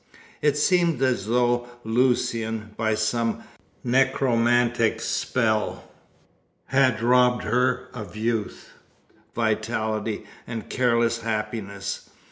It seemed as though Lucian, by some necromantic spell, had robbed her of youth, vitality, and careless happiness.